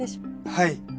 はい。